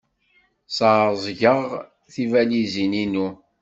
Ssaẓyeɣ tibalizin-inu.